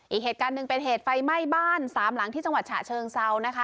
อีกเหตุการณ์หนึ่งเป็นเหตุไฟไหม้บ้านสามหลังที่จังหวัดฉะเชิงเซานะคะ